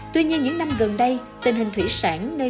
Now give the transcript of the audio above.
tuy nhiên những năm gần đây tình hình thủy sản không tốt